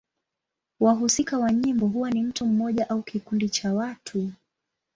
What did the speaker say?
Wahusika wa nyimbo huwa ni mtu mmoja au kikundi cha watu.